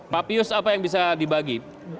papius apa yang bisa dibagi